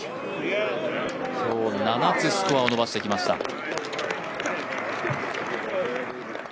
今日、７つスコアを延ばしてきました。